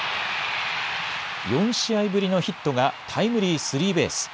４試合ぶりのヒットが、タイムリースリーベース。